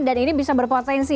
dan ini bisa berpotensi